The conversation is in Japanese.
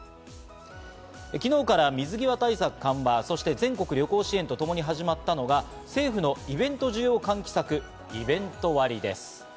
昨日から水際対策緩和、そして全国旅行支援とともに始まったのが政府のイベント需要喚起策、イベント割です。